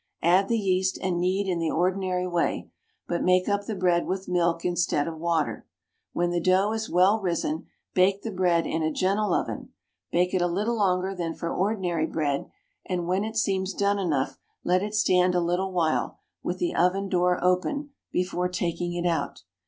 Add the yeast and knead in the ordinary way, but make up the bread with milk instead of water. When the dough is well risen, bake the bread in a gentle oven. Bake it a little longer than for ordinary bread, and, when it seems done enough, let it stand a little while, with the oven door open, before taking it out.